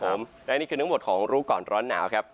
และนี่คือทั้งหมดของรู้ก่อนร้อนหนาวครับ